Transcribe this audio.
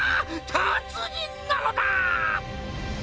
達人なのだ！